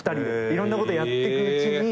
いろんなことやってくうちに。